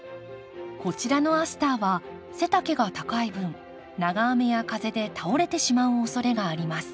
こちらのアスターは背丈が高い分長雨や風で倒れてしまうおそれがあります。